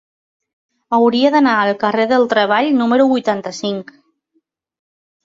Hauria d'anar al carrer del Treball número vuitanta-cinc.